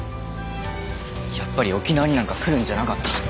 やっぱり沖縄になんか来るんじゃなかった。